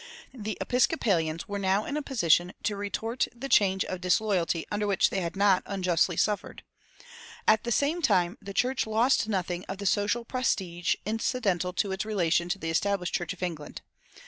The Episcopalians were now in a position to retort the charge of disloyalty under which they had not unjustly suffered. At the same time their church lost nothing of the social prestige incidental to its relation to the established Church of England.